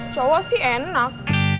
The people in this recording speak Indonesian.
cowok sih enak